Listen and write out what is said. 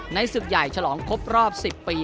ศึกใหญ่ฉลองครบรอบ๑๐ปี